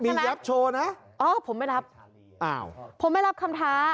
มียับโชว์นะอ้อผมไม่รับผมไม่รับคำท้า